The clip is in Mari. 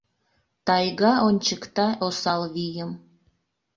Тайга ончыкта осал вийым.